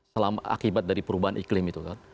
selama akibat dari perubahan iklim itu kan